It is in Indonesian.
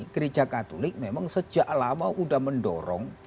gereja katolik memang sejak lama sudah mendorong